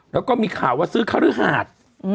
แล้วก็มีข่าวว่าซื้อข้าวรื้อหาด